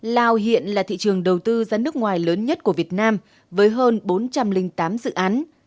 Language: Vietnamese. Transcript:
lào hiện là thị trường đầu tư ra nước ngoài lớn nhất của việt nam với hơn bốn trăm linh tám dự án